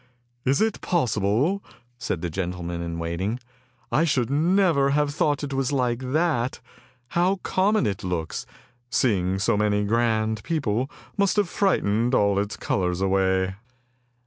" Is it possible? " said the gentleman in waiting. " I should never have thought it was like that. How common it looks. Seeing so many grand people must have frightened all its colours away."